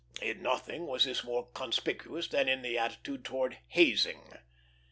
In nothing was this more conspicuous than in the attitude towards hazing.